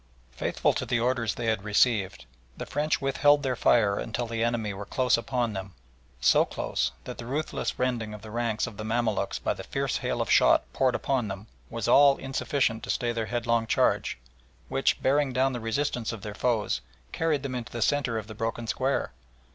Faithful to the orders they had received, the French withheld their fire until the enemy were close upon them, so close that the ruthless rending of the ranks of the Mamaluks by the fierce hail of shot poured upon them was all insufficient to stay their headlong charge, which, bearing down the resistance of their foes, carried them into the centre of the broken square.